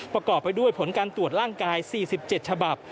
ประกอบไปด้วยผลการตรวจร่างกาย๔๗ฉบับ